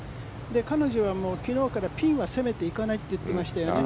彼女は昨日からピンは攻めていかないと言っていましたよね。